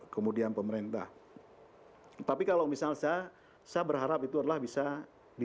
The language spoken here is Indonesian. kamu bisa lihat kartu yang ada tadi